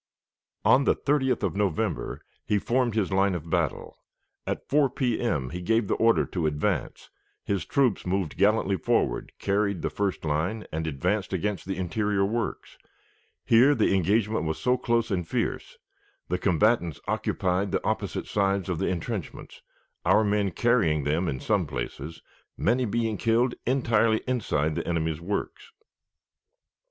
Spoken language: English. On the 30th of November he formed his line of battle. At 4 P.M. he gave the order to advance; his troops moved gallantly forward, carried the first line, and advanced against the interior works; here the engagement was close and fierce; the combatants occupied the opposite sides of the intrenchments, our men carrying them in some places, many being killed entirely inside the enemy's works.